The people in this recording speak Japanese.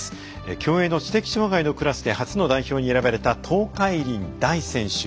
競泳の知的障がいのクラスで初の代表に選ばれた東海林大選手。